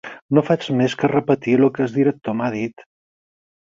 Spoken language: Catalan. No faig més que repetir el que el director m'ha dit.